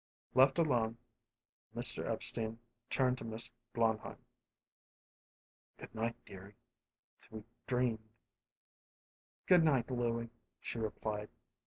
Left alone, Mr. Epstein turned to Miss Blondheim. "Good night, dearie," he whispered. "Thweet dreamth." "Good night, Louie," she replied.